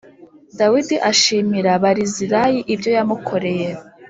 Dawidi ashimira Barizilayi ibyo yamukoreye